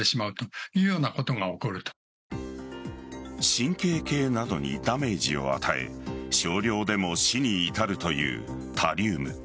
神経系などにダメージを与え少量でも死に至るというタリウム。